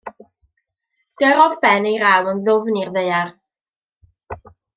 Gyrrodd Ben ei raw yn ddwfn i'r ddaear.